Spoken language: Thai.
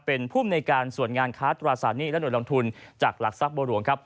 เป็นภูมิในการส่วนงานค้าตราสารหนี้และหน่วยลงทุนจากหลักทรัพย์บัวหลวงครับ